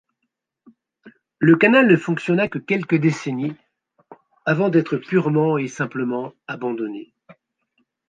Le canal ne fonctionna que quelques décennies avant d'être purement et simplement abandonné.